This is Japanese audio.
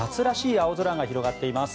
青空が広がっています。